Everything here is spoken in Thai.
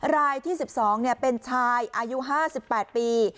รายที่๑๒เป็นชายอายุ๕๘ปี